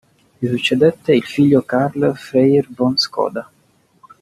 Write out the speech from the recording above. Gli succedette il figlio Karl Freiherr von Škoda.